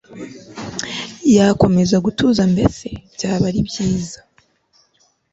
yakomeza gutuza Mbese byaba ari byiza